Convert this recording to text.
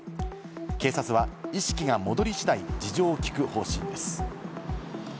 警察は意識が戻り次第、事情を聞く方針です。